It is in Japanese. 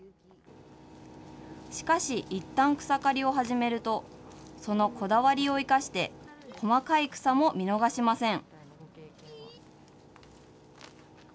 しかし、いったん草刈りを始めると、そのこだわりを生かして、細かい草も見逃しません。